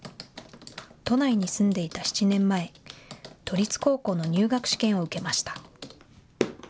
都内に住んでいた７年前、都立高校の入学試験を受けました。